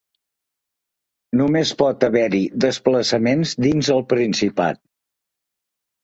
Només pot haver-hi desplaçaments dins el Principat.